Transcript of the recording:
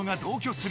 する